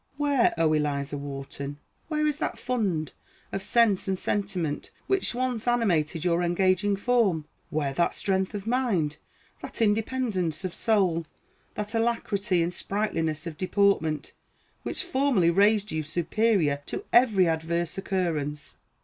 Where, O Eliza Wharton, where is that fund of sense and sentiment which once animated your engaging form? Where that strength of mind, that independence of soul, that alacrity and sprightliness of deportment, which formerly raised you superior to every adverse occurrence?